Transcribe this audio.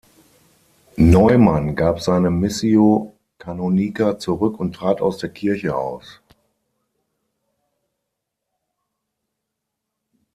Neumann gab seine Missio canonica zurück und trat aus der Kirche aus.